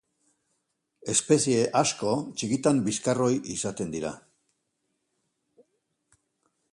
Espezie asko txikitan bizkarroi izaten dira.